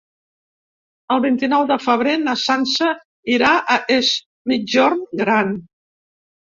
El vint-i-nou de febrer na Sança irà a Es Migjorn Gran.